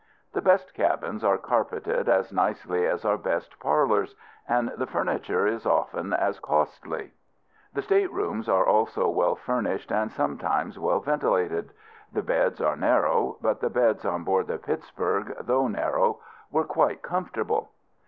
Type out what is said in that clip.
The best cabins are carpeted as nicely as our best parlors, and the furniture is often as costly. The state rooms are also well furnished, and sometimes well ventilated. The beds are narrow. But the beds on board the Pittsburg, though narrow, were quite comfortable.